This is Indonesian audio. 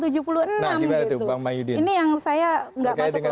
ini yang saya tidak masuk ke logikanya